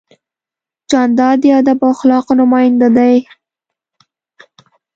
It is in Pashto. جانداد د ادب او اخلاقو نماینده دی.